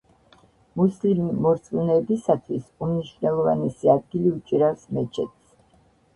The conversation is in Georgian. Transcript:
მუსლიმი მორწმუნეებისათვის უმნიშვნელოვანესი ადგილი უჭირავს მეჩეთს.